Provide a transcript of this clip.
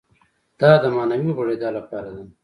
دا معنوي غوړېدا لپاره ده.